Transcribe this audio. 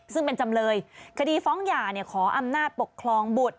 ซึ่งเป็นจำเลยคดีฟ้องหย่าขออำนาจปกครองบุตร